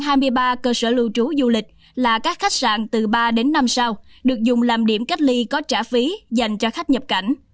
trong hai mươi ba cơ sở lưu trú du lịch là các khách sạn từ ba đến năm sao được dùng làm điểm cách ly có trả phí dành cho khách nhập cảnh